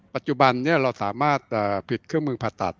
ปัจจุบันนี้เราสามารถผิดเครื่องมือผ่าตัด